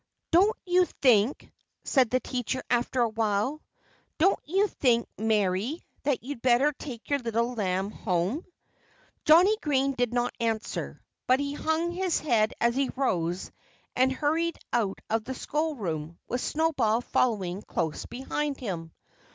"Don't you think " said the teacher after a while "don't you think, Mary, that you'd better take your little lamb home?" Johnnie Green did not answer. But he hung his head as he rose and hurried out of the schoolroom, with Snowball following close behind him.